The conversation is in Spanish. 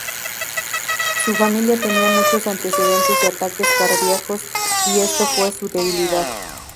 Su familia tenía muchos antecedentes de ataques cardíacos, y esto fue su debilidad.